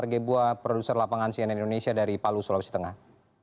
gebuah produser lapangan siena indonesia dari palu sulawesi tengah